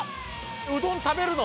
うどん食べるの？